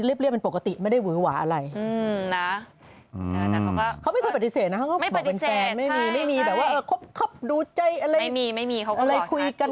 จริงจริงมึงเหล่าจะมีแต่เขาไม่เล่าให้เราฟัง